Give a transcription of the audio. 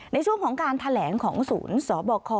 ในช่วงของการแถลงของศูนย์สบค